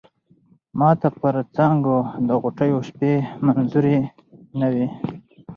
ماته پر څانگو د غوټیو شپې منظوری نه وې